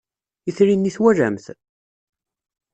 Itri-nni twalam-t?